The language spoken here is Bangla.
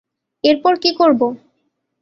এরপর কী করব?